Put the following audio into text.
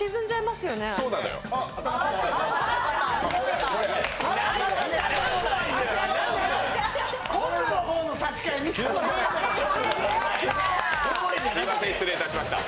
すみません、失礼いたしました。